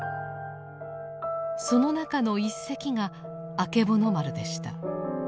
その中の１隻があけぼの丸でした。